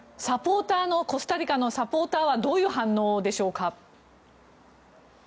コスタリカのサポーターはどういう反応でしょうか。